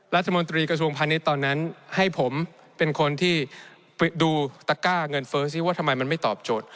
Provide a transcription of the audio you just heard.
รัฐมนตรีกระทรวงพาณิชย์ตอนนั้นให้ผมเป็นคนที่ดูตะก้าเงินเฟิร์สซิว่าทำไมมันไม่ตอบโจท